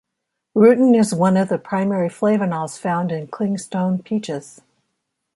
Rutin is one of the primary flavonols found in 'clingstone' peaches.